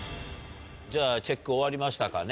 じゃあチェック終わりましたかね。